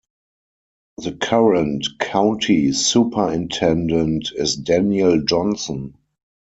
The current County Superintendent is Daniel Johnson.